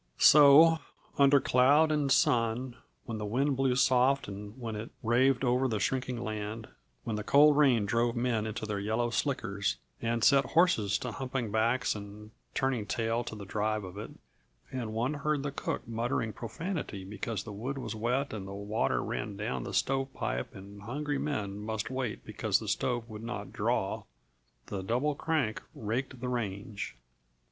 So, under cloud and sun, when the wind blew soft and when it raved over the shrinking land, when the cold rain drove men into their yellow slickers and set horses to humping backs and turning tail to the drive of it and one heard the cook muttering profanity because the wood was wet and the water ran down the stovepipe and hungry men must wait because the stove would not "draw," the Double Crank raked the range.